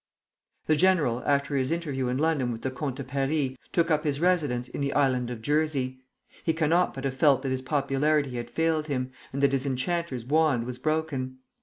The general, after his interview in London with the Comte de Paris, took up his residence in the island of Jersey. He cannot but have felt that his popularity had failed him, and that his enchanter's wand was broken.